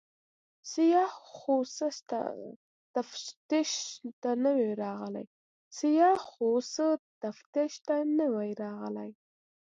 سیاح خو څه تفتیش ته نه وي راغلی.